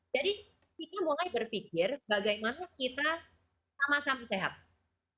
jadi kita mulai berpikir bagaimana kita sama sama sehat